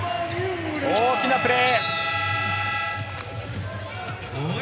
大きなプレー。